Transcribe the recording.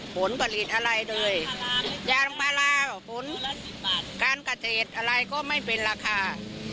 ผลผลิตอะไรด้วยยาลงปลาราผลค้านกระเทศอะไรก็ไม่เป็นราคา